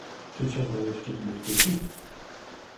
Czy ciągle jeszcze bijesz dzieci?